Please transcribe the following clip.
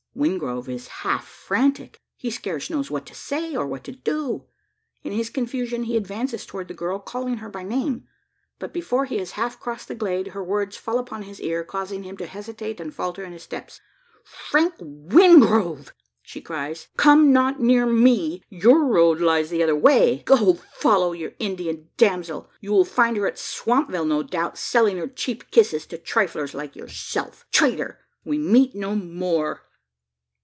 Wingrove is half frantic. He scarce knows what to say, or what to do. In his confusion he advances towards the young girl, calling her by name; but before he has half crossed the glade, her words fall upon his ear, causing him to hesitate and falter in his steps. "Frank Wingrove!" she cries, "come not near me. Your road lies the other way. Go! follow your Indian damsel. You will find her at Swampville, no doubt, selling her cheap kisses to triflers like yourself. Traitor! we meet no more!"